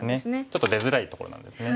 ちょっと出づらいところなんですね。